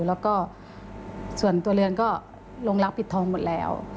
แล้วก็ส่วนตัวเรือนก็ลงรักปิดทองหมดแล้ว